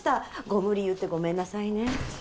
ご無理言ってごめんなさいね。